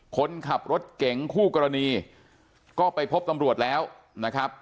คนขับรถเก๋งคู่กรณีก็ไปพบตำรวจแล้วนะครับ